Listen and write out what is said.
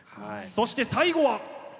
そして最後は！